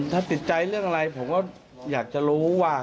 ถ้าติดใจเรื่องอะไรผมก็อยากจะรู้ว่า